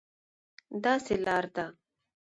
داسې لار ده،